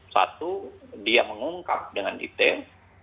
satu dia mengungkap dengan detail